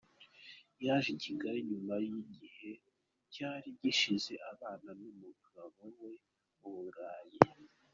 Yaje i Kigali nyuma y’igihe cyari gishize abana n’umugabo we mu Burayi.